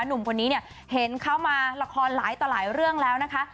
หนุ่มคนนี้เนี่ยเห็นเขามาละครหลายต่อหลายเรื่องแล้วนะคะ